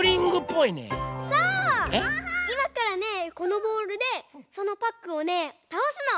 いまからねこのボールでそのパックをねたおすの！